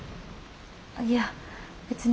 いや別に。